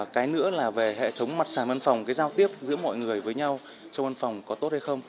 cái nữa là về hệ thống mặt sản văn phòng cái giao tiếp giữa mọi người với nhau trong văn phòng có tốt hay không